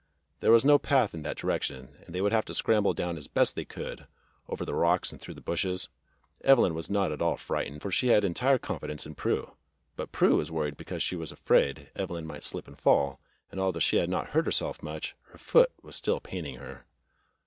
There was no path in that direction, and they would have to scramble down as best they could, over the rocks and through the bushes. Evelyn was not at all frightened, for she had entire confidence in Prue, but Prue was worried because she was afraid Evelyn might slip and fall, and although she had not hurt herself much, her foot was still paining her.